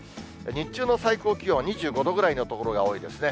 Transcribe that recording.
日中の最高気温は２５度ぐらいという所が多いですね。